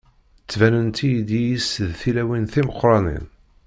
Ttbanent-iyi-d iyi-s d tilawin timeqranin.